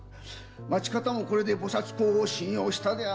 町方もこれで菩薩講を信用したであろう。